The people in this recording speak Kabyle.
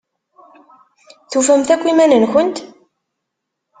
Tufamt akk iman-nkent?